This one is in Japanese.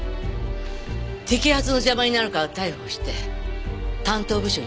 摘発の邪魔になるから逮捕して担当部署に押しつけたはずだわ。